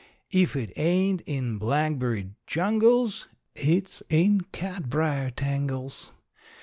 If it ain't in blackberry jungles it's in catbrier tangles.